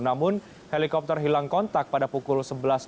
namun helikopter hilang kontak pada pukul sebelas tujuh